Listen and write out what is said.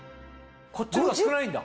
こっちの方が少ないんだ。